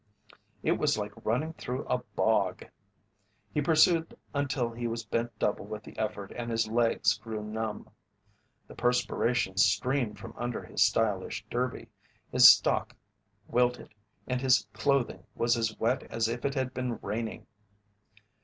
It was like running through a bog. He pursued until he was bent double with the effort and his legs grew numb. The perspiration streamed from under his stylish derby, his stock wilted, and his clothing was as wet as if it had been raining.